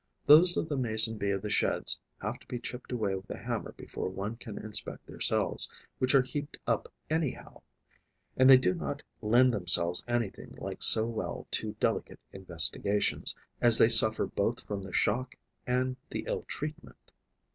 Those of the Mason bee of the Sheds have to be chipped away with a hammer before one can inspect their cells, which are heaped up anyhow; and they do not lend themselves anything like so well to delicate investigations, as they suffer both from the shock and the ill treatment.